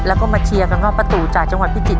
แล้วก็มาเชียร์กันว่าป้าตูจากจังหวัดพิจิตร